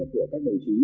của các đồng chí